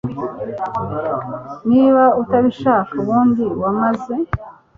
Niba utabisha ubundi wamaze